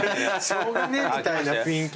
しょうがねえみたいな雰囲気。